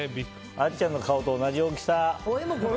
あっちゃんの顔と同じ大きさ。